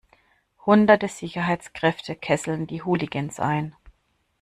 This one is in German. Hunderte Sicherheitskräfte kesselten die Hooligans ein.